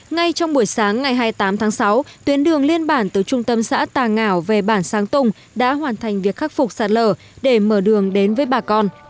ngay trong buổi sáng ngày hai mươi tám tháng sáu tuyến đường liên bản từ trung tâm xã tà ngảo về bản sáng tùng đã hoàn thành việc khắc phục sạt lở để mở đường đến với bà con